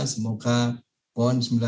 semoga pon sempurna